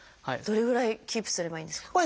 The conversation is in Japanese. どれぐらいキープすればいいんですか？